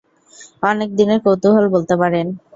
অনেকদিনের কৌতুহল বলতে পারেন।